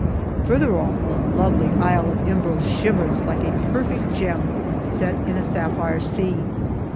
Further off, the lovely Isle of Imbros shimmers like a perfect gem set in a sapphire sea.